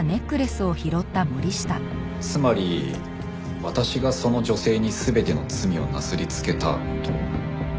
つまり私がその女性に全ての罪をなすりつけたと。